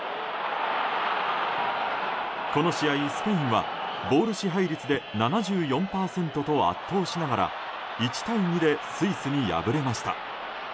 この試合、スペインはボール支配率で７４％と圧倒しながら１対２でスイスに敗れました。